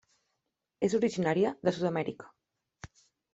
És originària de Sud-amèrica.